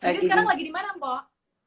jadi sekarang lagi di mana ampok